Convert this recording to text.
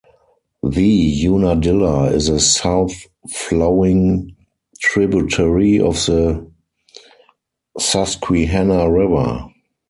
The Unadilla is a south-flowing tributary of the Susquehanna River.